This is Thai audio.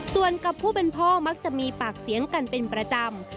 ส่วนกับผู้เป็นพ่อมักจะมีปากเสียงกันเป็นประจำ